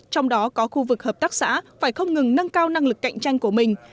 trong đó có khu vực hợp tác xã phải không ngừng nâng cao năng lực cạnh tranh của mình